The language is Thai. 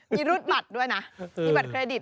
มีรูดบัตรด้วยนะมีบัตรเครดิต